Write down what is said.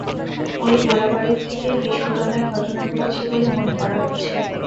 ওই গোলাবারুদ থেকেই বিস্ফোরণের ঘটনা ঘটেছে বলে মনে করা হচ্ছে।